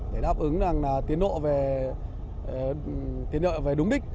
để đáp ứng tiến độ về đúng đích